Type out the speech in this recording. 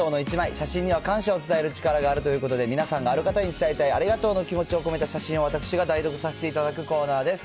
写真には感謝を伝える力があるということで、皆さんがある方に伝えたいありがとうの気持ちを込めた写真を私が代読させていただくコーナーです。